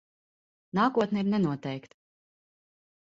Nākotne ir nenoteikta.